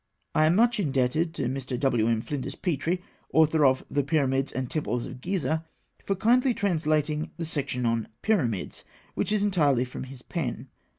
I am much indebted to Mr. W.M. Flinders Petrie, author of The Pyramids and Temples of Gizeh, for kindly translating the section on "Pyramids," which is entirely from his pen.